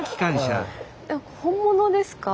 えっ本物ですか？